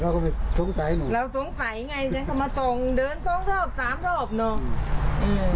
เขาก็ไปสงสัยหนูเราสงสัยไงฉันก็มาส่งเดินสองรอบสามรอบเนอะ